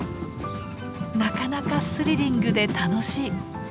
なかなかスリリングで楽しい。